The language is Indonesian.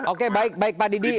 oke baik pak didi